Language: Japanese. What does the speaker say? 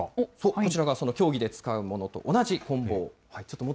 こちらがその競技で使うものと同じこん棒。